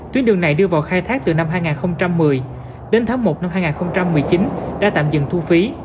tuyến đường này đưa vào khai thác từ năm hai nghìn một mươi đến tháng một năm hai nghìn một mươi chín đã tạm dừng thu phí